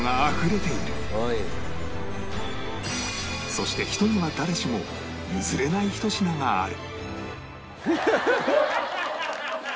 そして人には誰しも譲れない一品がある